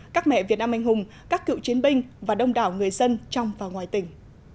các mẹ việt nam anh hùng các cựu chiến binh và đông đảo người dân trong và ngoài tỉnh